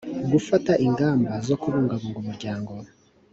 gufata ingamba zo kubungabunga umuryango